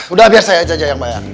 udah biar saya aja yang bayar